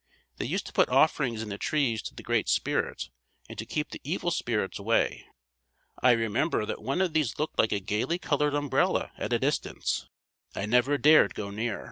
They used to put offerings in the trees to the Great Spirit and to keep the evil spirits away. I remember that one of these looked like a gaily colored umbrella at a distance. I never dared go near.